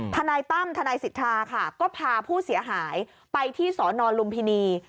ทนายตั้มทนายสิทธาค่ะก็พาผู้เสียหายไปที่สนลุมพินี